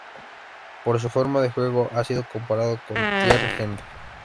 Por su forma de juego, ha sido comparado con Thierry Henry.